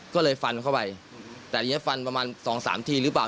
ก็เลยฟันเข้าไปแต่อันนี้ฟันประมาณสองสามทีหรือเปล่า